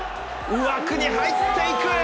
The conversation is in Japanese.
枠に入っていく。